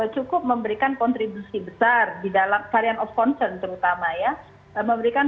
cukup memberikan kontribusi besar di dalam varian of concern terutama ya memberikan